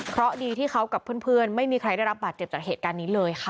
เพราะดีที่เขากับเพื่อนไม่มีใครได้รับบาดเจ็บจากเหตุการณ์นี้เลยค่ะ